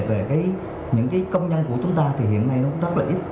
vấn đề về những cái công nhân của chúng ta thì hiện nay nó cũng rất là ít